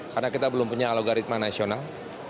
karena kita belum punya alogaritma nasional